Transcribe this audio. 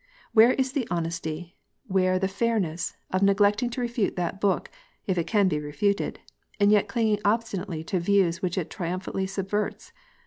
Where is the honesty, where the fairness, of neglecting to refute that book if it can be refuted, and yet clinging obstinately to views which it triumphantly subverts?